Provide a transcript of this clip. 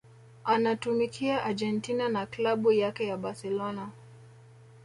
anatumikia Argentina na Klabu yake ya Barcelona